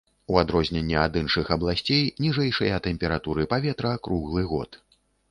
У адрозненне ад іншых абласцей ніжэйшыя тэмпературы паветра круглы год.